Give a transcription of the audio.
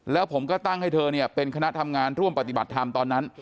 แล้วผมก็ตั้งให้เธอเนี่ยเป็นคณะทำงานร่วมปฏิบัติธรรมตอนนั้น